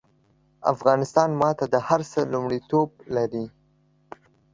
افغانستان ماته د هر څه لومړيتوب لري